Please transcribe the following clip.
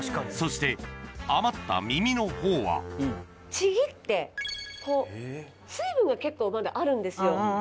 そして余った耳のほうはちぎってこう水分が結構まだあるんですよ。